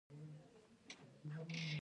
د غریبانو تر مخ د خپلي شتمنۍ حساب مه کوئ!